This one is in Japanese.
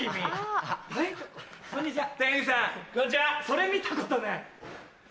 それ見たことない。